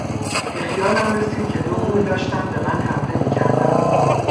به خیالم رسید که دو غول داشتند به من حمله میکردند.